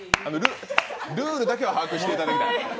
ルールだけは把握していただきたい。